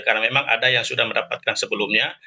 karena memang ada yang sudah mendapatkan sebelumnya